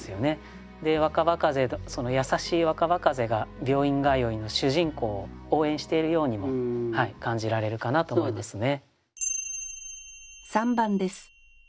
若葉風その優しい若葉風が病院通いの主人公を応援しているようにも感じられるかなと思いますね。